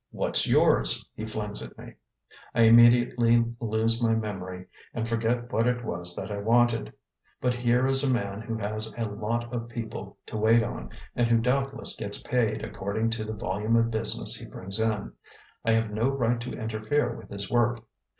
"What's yours?" he flings at me. I immediately lose my memory and forget what it was that I wanted. But here is a man who has a lot of people to wait on and who doubtless gets paid according to the volume of business he brings in. I have no right to interfere with his work.